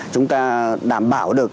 chúng ta đảm bảo được